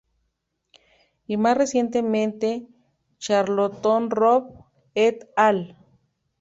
Y más recientemente, Charlton-Robb "et al".